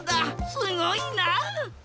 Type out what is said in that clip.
すごいな！